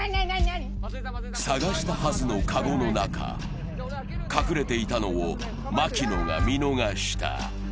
探したはずのかごの中、隠れていたのを槙野が見逃した。